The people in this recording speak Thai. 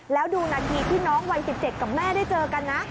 แล้วดูนาทีที่น้องวัย๑๗กับแม่ได้เจอกันนะ